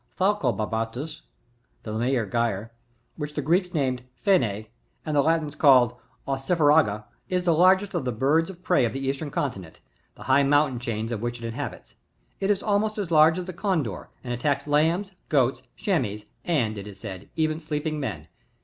^ Falco barbatut^ —(The Laemrcer geyer)— which the Greeks named PhenPy and the Latins called Ossifraga^ is the largest of the birds of prey of the eastern continent, the high mountain chains of which it in habits: it is almost as large as the Condor, and attacks lambs, ^oats, chamois, and, it is said, even sleeping men.